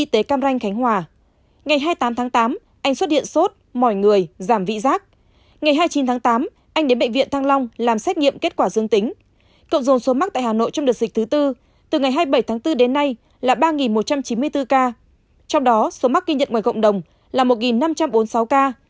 trong đó số mắc ghi nhận ngoài cộng đồng là một năm trăm bốn mươi sáu ca